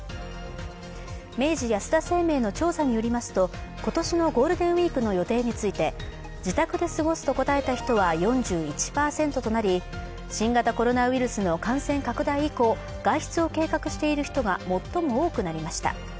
明治安田生命の調査によりますと、今年のゴールデンウイークの予定について自宅で過ごすと答えた人は４１％となり新型コロナウイルスの感染拡大以降、外出を計画している人が最も多くなりました。